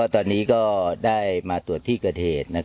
ตอนนี้ก็ได้มาตรวจที่กระเทศ